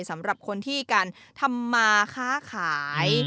สำหรับคนที่การทำมาค้าขาย